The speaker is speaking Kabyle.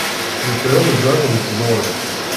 Nekk d amezraw n tẓuri.